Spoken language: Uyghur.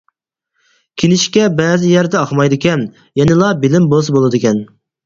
كىنىشكا بەزى يەردە ئاقمايدىكەن يەنىلا بىلىم بولسا بولىدىكەن.